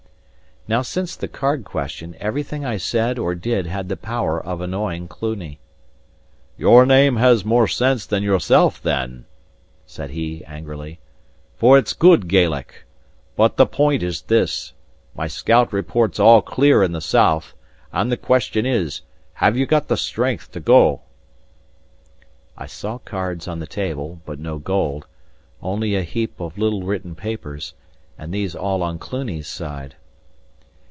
Now since the card question, everything I said or did had the power of annoying Cluny. "Your name has more sense than yourself, then," said he angrily, "for it's good Gaelic. But the point is this. My scout reports all clear in the south, and the question is, have ye the strength to go?" I saw cards on the table, but no gold; only a heap of little written papers, and these all on Cluny's side.